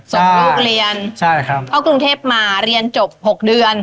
ส่งลูกเรียนพ่อกรุงเทพมาเรียนจบ๖เดือน